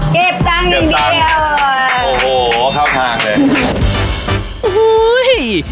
เก็บตังค์เดียวโอ้โหเข้าทางเลย